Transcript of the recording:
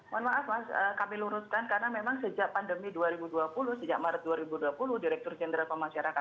mohon maaf mas kami luruskan karena memang sejak pandemi dua ribu dua puluh sejak maret dua ribu dua puluh direktur jenderal pemasyarakatan